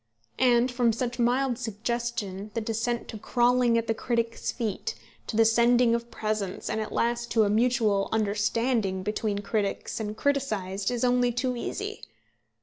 And from such mild suggestion the descent to crawling at the critic's feet, to the sending of presents, and at last to a mutual understanding between critics and criticised, is only too easy.